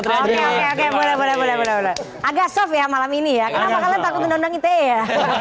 oke oke boleh boleh boleh agak soft ya malam ini ya kenapa kalian takut undang undang ite ya